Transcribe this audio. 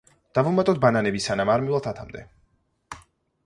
დავუმატოთ ბანანები სანამ არ მივალთ ათამდე.